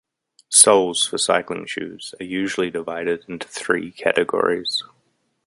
Soles for cycling shoes are usually divided into three categories.